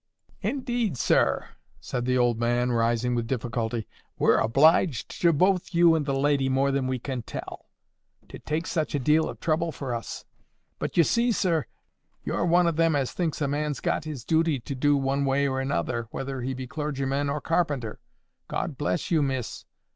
"Indeed, sir," said the old man, rising with difficulty, "we're obliged both to you and the lady more than we can tell. To take such a deal of trouble for us! But you see, sir, you're one of them as thinks a man's got his duty to do one way or another, whether he be clergyman or carpenter. God bless you, Miss.